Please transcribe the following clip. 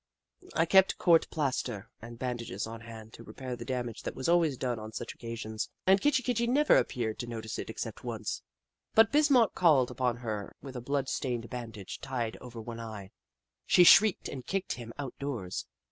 I kept court plaster and bandages on hand to repair the damage that was always done on such occasions, and Kitchi Kitchi never appeared to notice it except once. When Bismarck called upon her with a blood stained bandage tied over one eye, she shrieked and kicked him out doors.